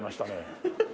ハハハ。